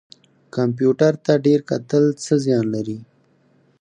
کمپیوټر ته ډیر کتل څه زیان لري؟